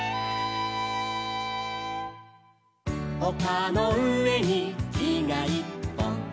「おかのうえにきがいっぽん」